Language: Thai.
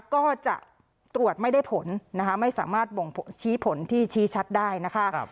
ก็จะตรวจไม่ได้ผลนะคะไม่สามารถบ่งชี้ผลที่ชี้ชัดได้นะคะ